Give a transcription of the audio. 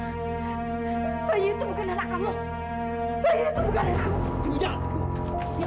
aku bisa memperbaikinya sini karena tak ada masalah